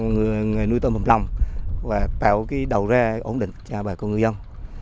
người nuôi tôm hầm lòng và tạo đầu ra ổn định cho bà con người dân